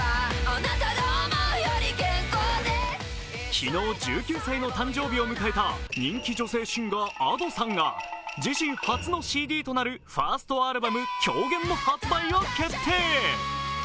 昨日、１９歳の誕生日を迎えた人気女性シンガーＡｄｏさんが自身初のＣＤとなるファーストアルバム「狂言」の発売を決定。